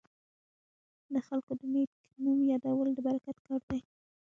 د خلکو د نیک نوم یادول د برکت کار دی.